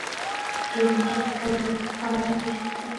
ډېر منطق پر ځای باید هر څه عملاً تجربه شي.